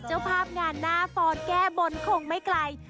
เจ้าภาพงานหน้าฟอนแก้บนคงไม่ไกล